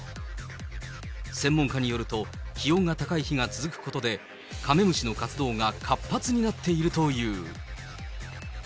専門家によると、気温が高い日が続くことで、カメムシの活動が活発になっているという。